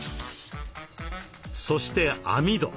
そして網戸。